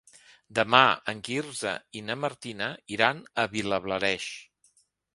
Demà en Quirze i na Martina iran a Vilablareix.